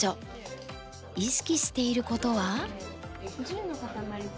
意識していることは？